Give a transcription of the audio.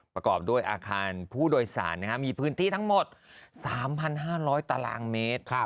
ประกอบด้วยอาคารผู้โดยสารมีพื้นที่ทั้งหมด๓๕๐๐ตารางเมตร